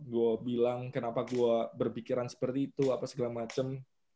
gue bilang kenapa gue berpikiran seperti itu apa segala macem